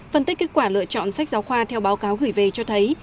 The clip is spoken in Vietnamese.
phân tích kết quả lựa chọn sách giáo khoa theo báo cáo gửi về cho thấy